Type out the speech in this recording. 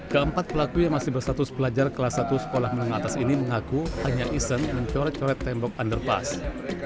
keempat pelaku yang masih berstatus pelajar kelas satu sekolah menengah atas ini mengaku hanya iseng mencoret coret tembok underpass